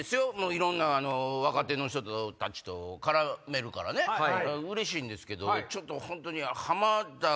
いろんな若手の人たちと絡めるからうれしいんですけど。